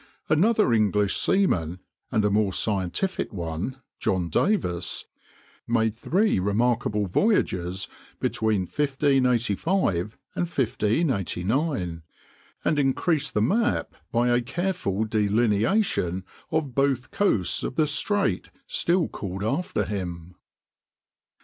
Another English seaman, and a more scientific one, John Davis, made three remarkable voyages, between 1585 and 1589, and increased the map by a careful delineation of both coasts of the strait still called after him.